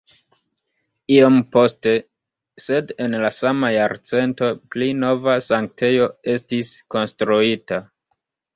Iom poste sed en la sama jarcento pli nova sanktejo estis konstruita.